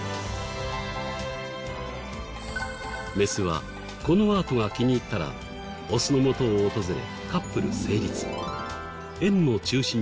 メスはこのアートが気に入ったらオスのもとを訪れ。